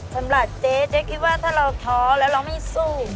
เจ๊เจ๊คิดว่าถ้าเราท้อแล้วเราไม่สู้